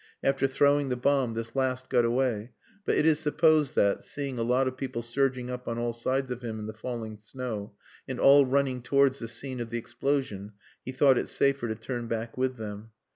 After throwing the bomb this last got away, but it is supposed that, seeing a lot of people surging up on all sides of him in the falling snow, and all running towards the scene of the explosion, he thought it safer to turn back with them.